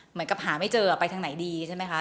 เหมือนกับหาไม่เจอไปทางไหนดีใช่ไหมคะ